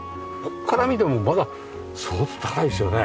ここから見てもまだすごく高いですよね。